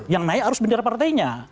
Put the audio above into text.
yang naik arus bendera partainya